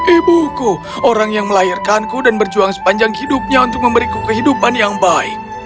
ibuku orang yang melahirkanku dan berjuang sepanjang hidupnya untuk memberiku kehidupan yang baik